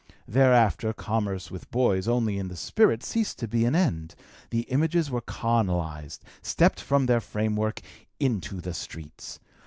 Thereafter commerce with boys only in the spirit ceased to be an end; the images were carnalized, stepped from their framework into the streets.